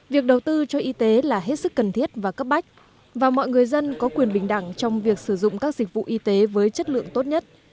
việc đầu tư cho y tế là hết sức cần thiết và cấp bách và mọi người dân có quyền bình đẳng trong việc sử dụng các dịch vụ y tế với chất lượng tốt nhất